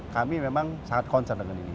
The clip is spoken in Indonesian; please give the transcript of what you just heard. kami memang sangat concern dengan ini